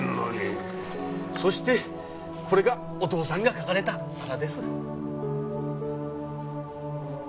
そしてこれがお父さんが描かれた皿です。